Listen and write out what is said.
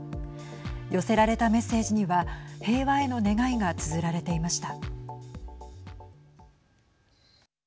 寄せられたメッセージには平和への願いがつづられていました。